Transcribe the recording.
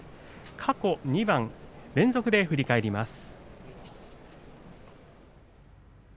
過去２番、連続で振り返ります。